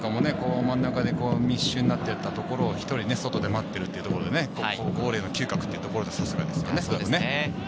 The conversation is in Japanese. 今のも真ん中で密集になっていたところを１人外で待っているというところでね、ゴールへの嗅覚はさすがですね。